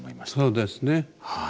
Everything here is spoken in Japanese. そうですね。